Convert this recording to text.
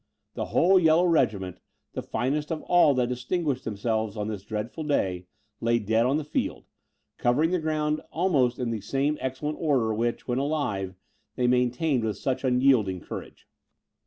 The whole yellow regiment, the finest of all that distinguished themselves in this dreadful day, lay dead on the field, covering the ground almost in the same excellent order which, when alive, they maintained with such unyielding courage.